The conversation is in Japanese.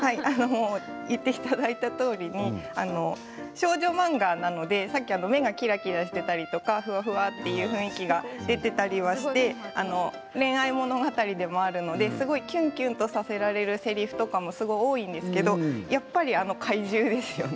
少女漫画なので目がキラキラしていたりとかふわふわという雰囲気が出ていたりはして恋愛物語でもあるのですごくキュンキュンさせられるせりふとかもすごく多いんですけどやっぱり怪獣ですよね。